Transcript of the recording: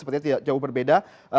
sepertinya jauh berbeda